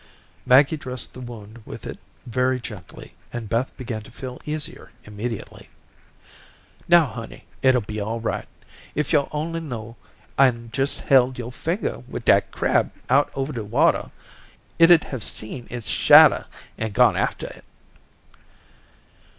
Maggie dressed the wound with it very gently and Beth began to feel easier immediately. "Now, honey, it'll be all right. If yo'd only known, and jes' held yo'r finger with dat crab out over the watah, it 'd have seen its shadah and gone aftah it."